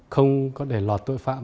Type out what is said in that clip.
không có để lọt tội phạm